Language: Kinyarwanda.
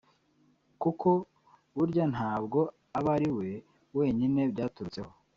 kuko burya ntabwo aba ri we wenyine byaturutseho